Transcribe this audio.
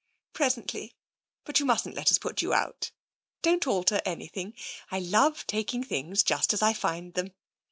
" Presently, but you mustn't let us put you out. Don't alter anything — I love taking things just as I find them.